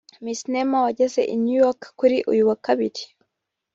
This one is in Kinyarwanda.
Miss Neema wageze i New York kuri uyu wa Kabiri